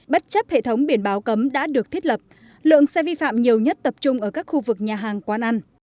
bất chấp hệ thống biển báo cấm đã được thiết lập lượng xe vi phạm nhiều nhất tập trung ở các khu vực nhà hàng quán ăn